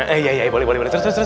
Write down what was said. iya iya boleh boleh terus terus terus